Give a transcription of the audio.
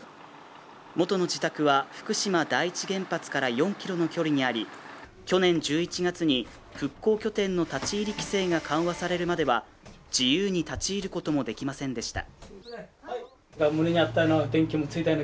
もとの自宅は福島第一原発から４ｋｍの距離にあり去年１１月に復興拠点の立ち入り規制が緩和されるまでは自由に立ち入ることもできませんでした。